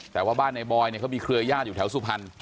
แต่ว่าบ้านในบอยเนี่ยเขามีเครือญาติอยู่แถวสุพรรณ